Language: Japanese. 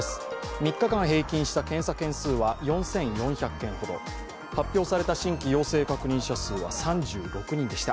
３日間平均した検査件数は４４００件ほど、発表された新規陽性確認者数は３６人でした。